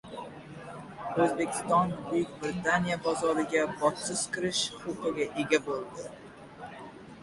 O‘zbekiston Buyuk Britaniya bozoriga bojsiz kirish huquqiga ega bo‘ldi